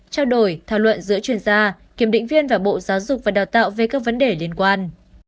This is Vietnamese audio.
trao đổi thảo luận giữa chuyên gia kiểm định viên và bộ giáo dục và đào tạo về các vấn đề liên quan